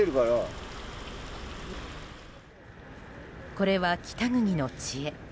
これは、北国の知恵。